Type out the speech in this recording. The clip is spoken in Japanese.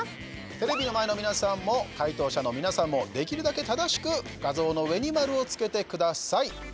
テレビの前の皆さんも解答者の皆さんもできるだけ正しく画像の上に丸をつけてください。